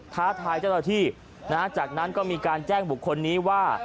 ท้าทายเจ้าหน้าที่จากนั้นก็มีการแจ้งบุคคลนี้ว่า